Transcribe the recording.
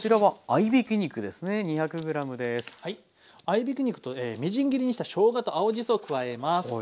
合いびき肉とみじん切りにしたしょうがと青じそを加えます。